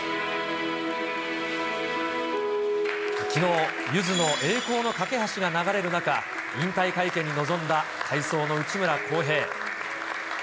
きのう、ゆずの栄光の架橋が流れる中、引退会見に臨んだ体操の内村航平。